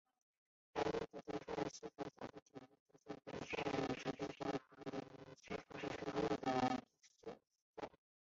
莱茵兰足球联赛是辖下的顶级足球联赛以及德国足球联赛系统中的第六级赛事。